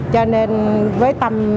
cho nên với tâm